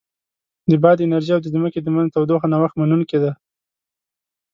د باد انرژي او د ځمکې د منځ تودوخه نوښت منونکې ده.